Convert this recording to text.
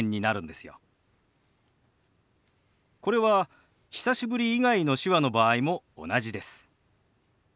これは「久しぶり」以外の手話の場合も同じです。